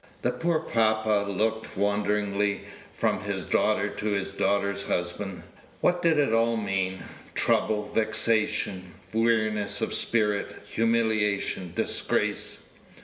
The poor papa looked wonderingly from his daughter to his daughter's husband. What did it all mean? Trouble, vexation, weariness of spirit, humiliation, disgrace?